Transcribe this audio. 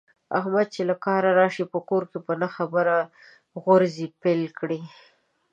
احمد چې له کاره راشي، په کور کې په نه خبره غورزی پیل کړي.